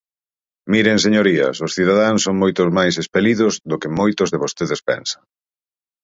Miren, señorías, os cidadáns son moito máis espelidos do que moitos de vostedes pensan.